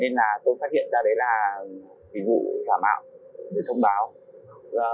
nên là tôi phát hiện ra đấy là dịch vụ giảm ảo để thông báo